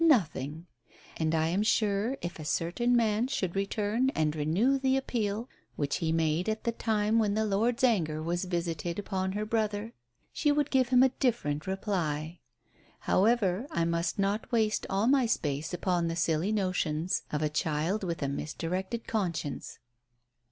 Nothing! And I am sure if a certain man should return and renew the appeal which he made at the time when the Lord's anger was visited upon her brother, she would give him a different reply. However, I must not waste all my space upon the silly notions of a child with a misdirected conscience."